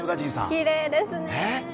きれいですね。